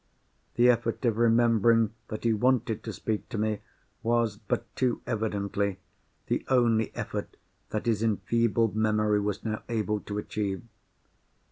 The effort of remembering that he wanted to speak to me was, but too evidently, the only effort that his enfeebled memory was now able to achieve.